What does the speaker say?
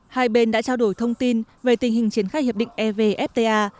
hai bên đã trao đổi thông tin về tình hình triển khai hiệp định evfta